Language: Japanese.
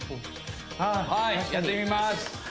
はい確かにはいやってみます